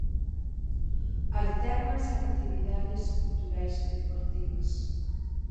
Altérnanse actividades culturais e deportivas.